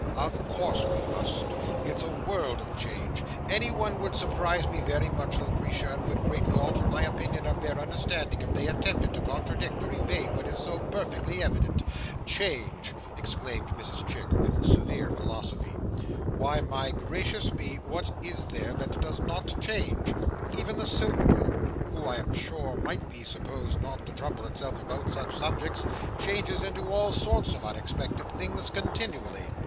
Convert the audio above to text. "Of course we must. It's a world of change. Anyone would surprise me very much, Lucretia, and would greatly alter my opinion of their understanding, if they attempted to contradict or evade what is so perfectly evident. Change!" exclaimed Mrs Chick, with severe philosophy. "Why, my gracious me, what is there that does not change! even the silkworm, who I am sure might be supposed not to trouble itself about such subjects, changes into all sorts of unexpected things continually."